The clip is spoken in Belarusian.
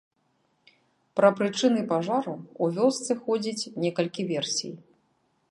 Пра прычыны пажару ў вёсцы ходзіць некалькі версій.